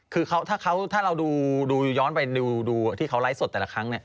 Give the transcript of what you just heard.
คือถ้าเราดูย้อนไปดูที่เขาไลฟ์สดแต่ละครั้งเนี่ย